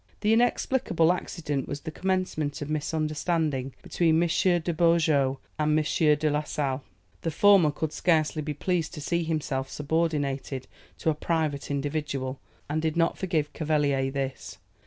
This inexplicable accident was the commencement of misunderstanding between M. de Beaujeu and M. de la Sale. The former could scarcely be pleased to see himself subordinated to a private individual, and did not forgive Cavelier this.